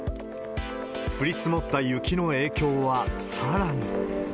降り積もった雪の影響はさらに。